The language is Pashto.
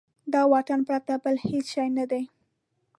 د واټن پرته بل هېڅ شی نه دی.